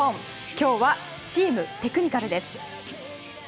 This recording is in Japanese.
今日はチームテクニカルです。